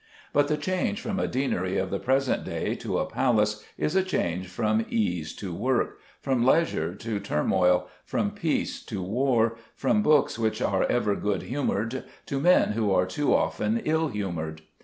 But the change from a deanery of the present day to a palace is a change from ease to work, from leisure to turmoil, from peace to war, from books which are ever good humoured to men who are too often ill humoured.